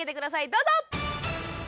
どうぞ！